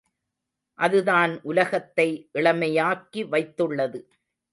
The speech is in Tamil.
அதுதான் உலகத்தை இளமையாக்கி வைத்துள்ளது.